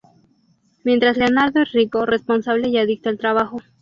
Mientras Leonardo es rico, responsable y adicto al trabajo.